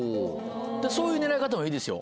そういう狙い方もいいですよ